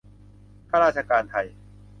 ข้าราชการไทย !